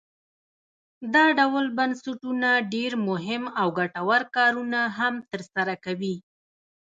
دا ډول بنسټونه ډیر مهم او ګټور کارونه هم تر سره کوي.